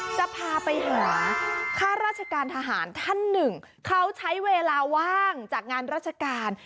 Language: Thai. จะพาไปหาข้าราชการทหารท่านหนึ่งเขาใช้เวลาว่างจากงานราชการ